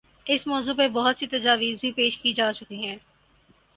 اس موضوع پہ بہت سی تجاویز بھی پیش کی جا چکی ہیں۔